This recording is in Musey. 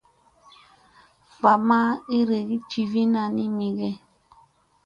Va ma iirigi jivina ni mi ge.